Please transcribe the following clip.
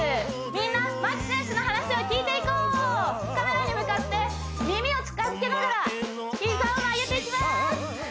みんな牧選手の話を聞いていこうカメラに向かって耳を近づけながら膝を曲げていきます